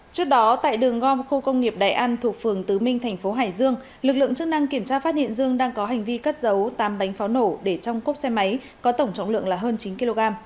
trước đó tại đường gom khu công nghiệp đại an thuộc phường tứ minh thành phố hải dương lực lượng chức năng kiểm tra phát hiện dương đang có hành vi cất dấu tám bánh pháo nổ để trong cốp xe máy có tổng trọng lượng là hơn chín kg